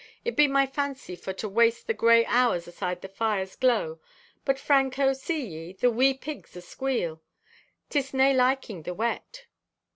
It be my fancy for to waste the gray hours aside the fire's glow,—but, Franco, see ye, the wee pigs asqueal! 'Tis nay liking the wet.